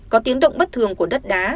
có tiếng động bất thường của đất đá